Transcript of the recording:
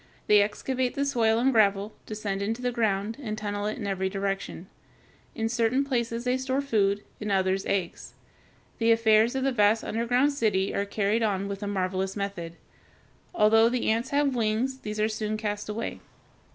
They excavate the soil and gravel, descend into the ground, and tunnel it in every direction (Fig. 245). In certain places they store food, in others eggs. The affairs of their vast underground city are carried on with a marvelous method. Although the ants have wings, these are soon cast away.